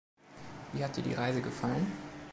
Wie hat dir die Reise gefallen?